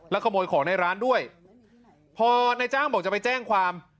ขโมยของในร้านด้วยพอนายจ้างบอกจะไปแจ้งความ